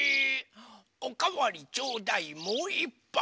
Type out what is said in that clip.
「おかわりちょうだいもういっぱい！」